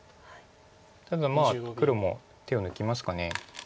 ただ黒も手を抜きますか。